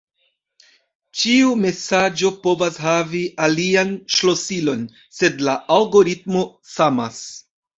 Ĉiu mesaĝo povas havi alian ŝlosilon, sed la algoritmo samas.